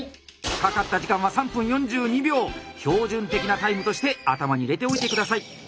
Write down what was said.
かかった時間は標準的なタイムとして頭に入れておいて下さい。